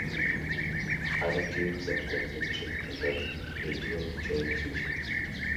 Other tubes have concentric and radial jointing features.